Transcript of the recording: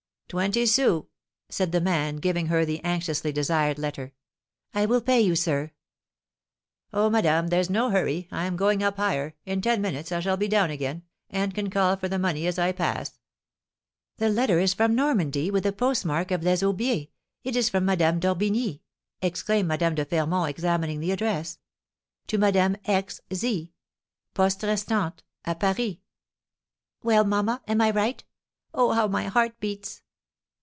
"Twenty sous," said the man, giving her the anxiously desired letter. "I will pay you, sir." "Oh, madame, there's no hurry, I am going up higher; in ten minutes I shall be down again, and can call for the money as I pass." "The letter is from Normandy, with the postmark of 'Les Aubiers.' It is from Madame d'Orbigny!" exclaimed Madame de Fermont, examining the address, "To Madame X. Z., Poste Restante, à Paris." "Well, mamma, am I right? Oh, how my heart beats!"